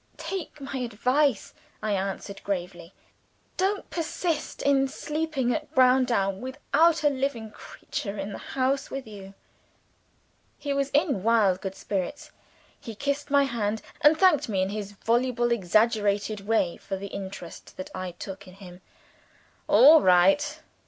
"Take my advice," I answered gravely. "Don't persist in sleeping at Browndown without a living creature in the house with you." He was in wild good spirits. He kissed my hand, and thanked me in his voluble exaggerated way for the interest that I took in him. "All right!"